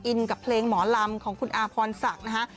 กับเพลงหมอลำของคุณอาพรศักดิ์นะฮะ